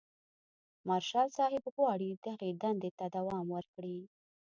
مارشال صاحب غواړي دغې دندې ته دوام ورکړي.